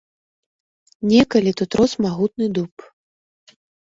Некалі тут рос магутны дуб.